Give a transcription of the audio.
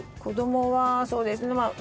子どもはそうですね。